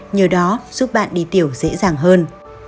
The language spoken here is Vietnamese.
nhờ đó giúp bạn đi tiểu dễ dàng hơn